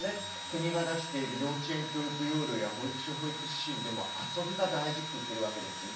国が出している幼稚園教育要領や保育所保育指針でも遊びが大事って言ってるわけです。